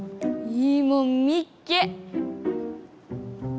いいもんみっけ。